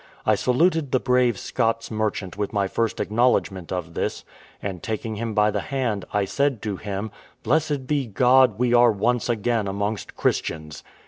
I saluted the brave Scots merchant with my first acknowledgment of this; and taking him by the hand, I said to him, "Blessed be God, we are once again amongst Christians."